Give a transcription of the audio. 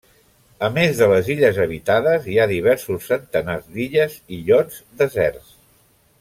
A més de les illes habitades, hi ha diversos centenars d'illes i illots deserts.